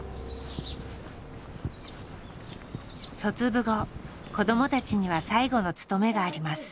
卒部後子どもたちには最後の務めがあります。